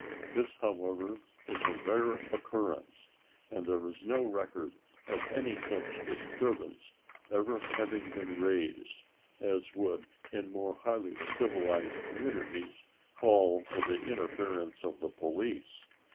This, however, is a rare occurrence, and there is no record of any such disturbance ever having been raised as would in more highly civilized communities call for the interference of the police.